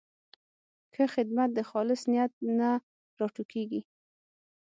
ښه خدمت د خالص نیت نه راټوکېږي.